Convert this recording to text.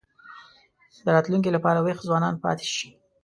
د راتلونکي لپاره وېښ ځوانان پاتې شي.